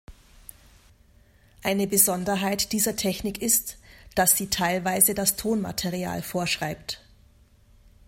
Eine Besonderheit dieser Technik ist, dass sie teilweise das Tonmaterial vorschreibt.